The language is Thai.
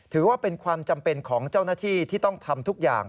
ถือว่าเป็นความจำเป็นของเจ้าหน้าที่ที่ต้องทำทุกอย่าง